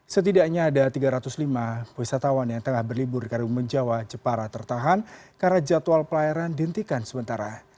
setidaknya ada tiga ratus lima wisatawan yang tengah berlibur di karimun jawa jepara tertahan karena jadwal pelayaran dihentikan sementara